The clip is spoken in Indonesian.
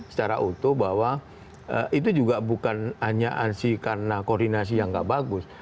secara utuh bahwa itu juga bukan hanya karena koordinasi yang nggak bagus